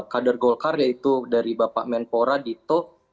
kader golkar yaitu dari bapak menpora dito